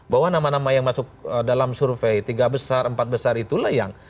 bahwa nama nama yang masuk dalam survei tiga besar empat besar itulah yang